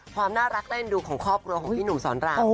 ความน่ารักและเอ็นดูของคอบครัว